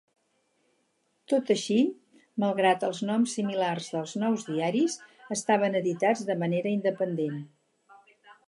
Tot així, malgrat els noms similars dels nous diaris, estaven editats de manera independent.